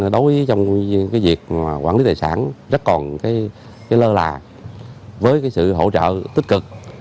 đối với việc quản lý tài sản rất còn lơ là với sự hỗ trợ tích cực